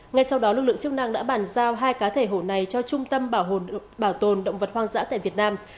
ngay sau đó lực lượng chức năng đã bàn giao hai cá thể hổ này cho trung tâm bảo tồn động vật hoang dã tại việt nam